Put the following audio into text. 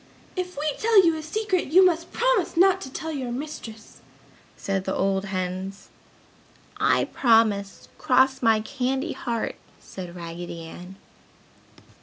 "If we tell you a secret you must promise not to tell your mistress!" said the old hens. "I promise! Cross my candy heart!" said Raggedy Ann.